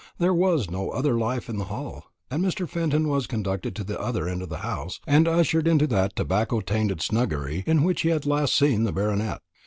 There was no other life in the hall; and Mr. Fenton was conducted to the other end of the house, and ushered into that tobacco tainted snuggery in which he had last seen the Baronet.